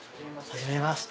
はじめまして。